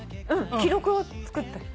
記録を作った人？